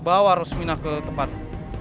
bawa rosmina ke tempat ini